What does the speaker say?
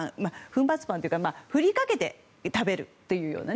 粉末パンというかふりかけて食べるというような。